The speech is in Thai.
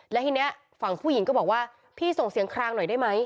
แล้วทีนี้ฝั่งผู้หญิงก็บอกว่าพี่ส่งเสียงคลางหน่อยได้ไหม